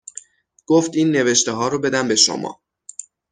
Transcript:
گفت این نوشته ها رو بدم به شما